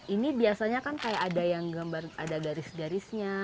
ini biasanya kan kayak ada yang gambar ada garis garisnya